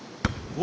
お。